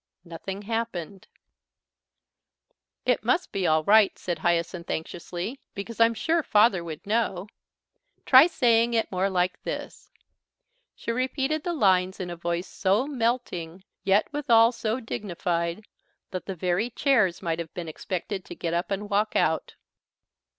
Nothing happened. "It must be all right," said Hyacinth anxiously, "because I'm sure Father would know. Try saying it more like this." She repeated the lines in a voice so melting, yet withal so dignified, that the very chairs might have been expected to get up and walk out.